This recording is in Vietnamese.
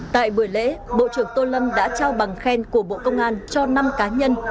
tại buổi lễ bộ trưởng tô lâm đã trao bằng khen của bộ công an cho năm cá nhân